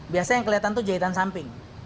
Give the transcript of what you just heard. biasanya yang kelihatan itu jahitan samping